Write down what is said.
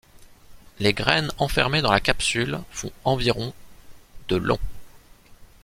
Les graines enfermées dans la capsule font environ de long.